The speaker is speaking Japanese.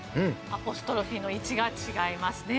アポストロフィーの位置が違いますね。